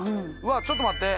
ちょっと待って。